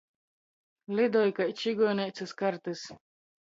Lidoj kai čygoneicys kartys.